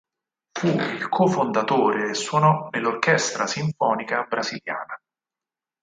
Fu il co-fondatore e suonò nella Orchestra Sinfonica Brasiliana.